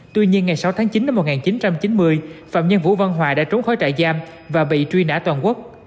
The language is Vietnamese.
tuy nhiên ngày sáu tháng chín năm một nghìn chín trăm chín mươi phạm nhân vũ văn hoài đã trốn khỏi trại giam và bị truy nã toàn quốc